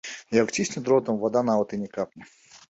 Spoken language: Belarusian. Як уцісне дротам, вада нават і не капне.